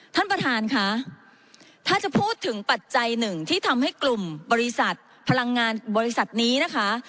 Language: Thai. ท่านประธานค่ะถ้าจะพูดถึงปัจจัยหนึ่งที่ทำให้กลุ่มบริษัทพลังงานบริษัทนี้นะคะ